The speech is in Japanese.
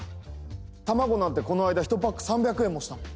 卵なんてこの間１パック３００円もした。